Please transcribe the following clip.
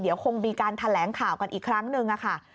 เดี๋ยวคงมีการแถลงข่าวกันอีกครั้งหนึ่งค่ะ